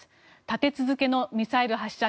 立て続けのミサイル発射。